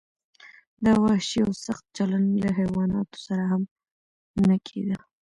دا وحشي او سخت چلند له حیواناتو سره هم نه کیده.